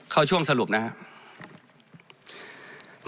เข้าช่วงสรุปนะครับ